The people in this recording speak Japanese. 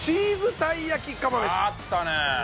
あったね！